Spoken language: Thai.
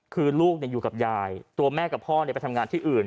คือลูกอยู่กับยายตัวแม่กับพ่อไปทำงานที่อื่น